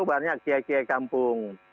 banyak kia kia kampung